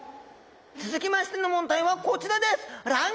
続きましての問題はこちらです。